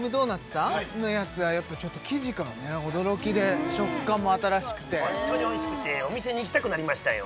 さんのやつはちょっと生地から驚きで食感も新しくてホントにおいしくてお店に行きたくなりましたよ